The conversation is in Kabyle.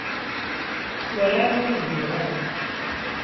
Werɛad ur uzzileɣ ara.